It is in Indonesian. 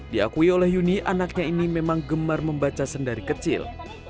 diakui oleh yuni anaknya ini memang gemar membaca sendari kecil